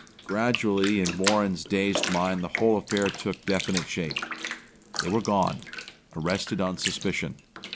Gradually in Warren's dazed mind the whole affair took definite shape. They were gone; arrested on suspicion.